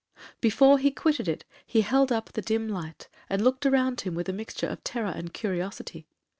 Before he quitted it, he held up the dim light, and looked around him with a mixture of terror and curiosity.